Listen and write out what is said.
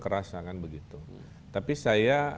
kerasa tapi saya